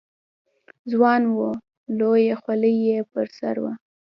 ځوان و، لویه خولۍ یې پر سر وه.